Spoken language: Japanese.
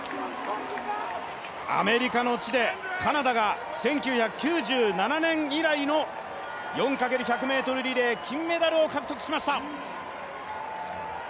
アメリカの地でカナダが、１９９７年以来の４×１００ｍリレー金メダルを獲得しました。